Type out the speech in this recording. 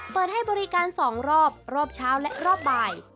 เปิดให้บริการ๒รอบรอบเช้าและรอบบ่าย